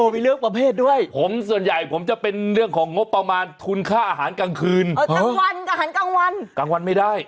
มีเรื่องประเภทด้วยส่วนใหญ่ผมจะเป็นเรื่องของงบประมาณทุนค่าอาหารกลางคืนกลางวันไม่ได้